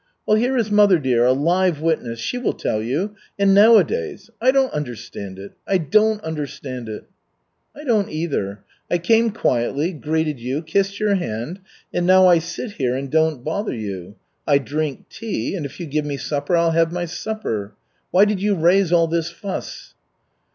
Well, here is mother dear, a live witness, she will tell you. And nowadays. I don't understand it. I don't understand it." "I don't either. I came quietly, greeted you, kissed your hand and now I sit here and don't bother you. I drink tea, and if you give me supper, I'll have my supper. Why did you raise all this fuss?"